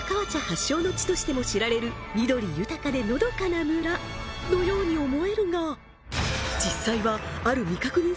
発祥の地としても知られる緑豊かでのどかな村のように思えるが実際はある未確認